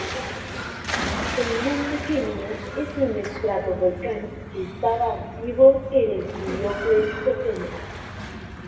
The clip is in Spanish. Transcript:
El monte Kenia es un estratovolcán que estaba activo en el Plio-Pleistoceno.